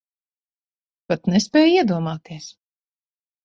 Pat nespēj iedomāties.